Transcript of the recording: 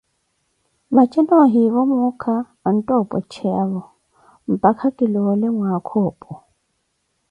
Vaje noohivo muuka ontta opwecheyavo, mpakha ki loole mwaaka opu.